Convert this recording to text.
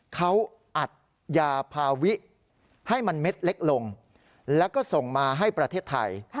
เขาอัดยาภาวิให้มันเม็ดเล็กลงแล้วก็ส่งมาให้ประเทศไทย